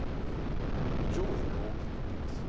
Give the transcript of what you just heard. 上辺が大きいと見てます。